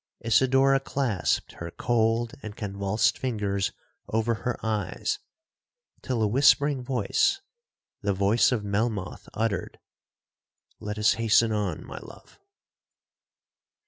Isidora clasped her cold and convulsed fingers over her eyes, till a whispering voice, the voice of Melmoth, uttered, 'Let us hasten on, my love.'